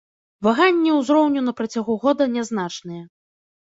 Ваганні ўзроўню на працягу года нязначныя.